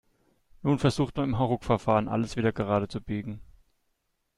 Nun versucht man im Hauruckverfahren, alles wieder gerade zu biegen.